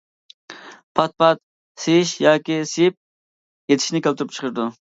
پات-پات سىيىش ياكى سىيىپ يېتىشنى كەلتۈرۈپ چىقىرىدۇ.